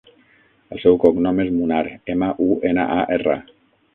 El seu cognom és Munar: ema, u, ena, a, erra.